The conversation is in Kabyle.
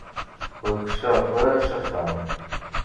Ur k-suɛfeɣ ara s axxam.